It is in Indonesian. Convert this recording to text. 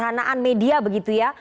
ada penyediaan media begitu ya